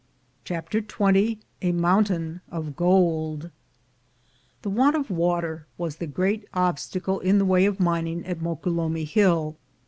CHAPTER XX A MOUNTAIN OF GOLD THE want of water was the great obstacle in the way of mining at Moquelumne Hill.